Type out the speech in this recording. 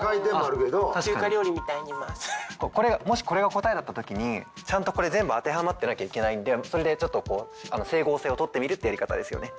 もしこれが答えだった時にちゃんとこれ全部当てはまってなきゃいけないのでそれでちょっと整合性を取ってみるってやり方ですよね。